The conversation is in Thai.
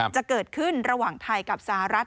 จะเกิดขึ้นระหว่างไทยกับสหรัฐ